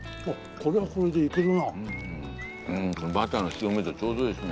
これバターの塩味とちょうどいいですね。